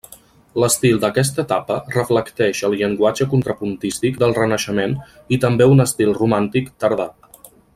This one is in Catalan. L’estil d’aquesta etapa reflecteix el llenguatge contrapuntístic del renaixement i també un estil romàntic tardà.